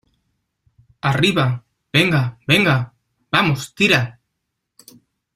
¡ arriba, venga , venga! ¡ vamos , tira !